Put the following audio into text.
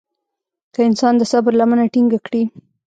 که انسان د صبر لمنه ټينګه کړي.